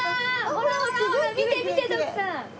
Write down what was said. ほらほらほら見て見て徳さん！